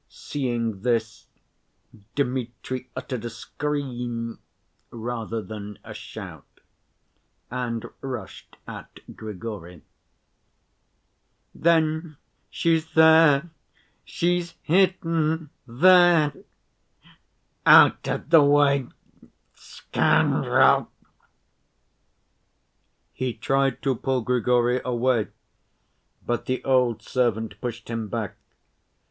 Seeing this, Dmitri uttered a scream rather than a shout and rushed at Grigory. "Then she's there! She's hidden there! Out of the way, scoundrel!" He tried to pull Grigory away, but the old servant pushed him back.